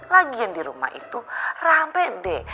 lagi yang di rumah itu rame deh